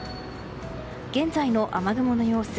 現在の雨雲の様子。